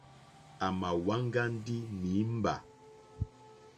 À mà wá ŋɡá ndí nǐmbà.